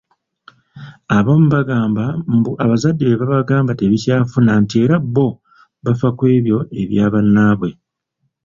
Abamu bagamba mbu abazadde bye babagamba tebikyafuna nti era bo bafa ku ebyo ebya bannaabwe.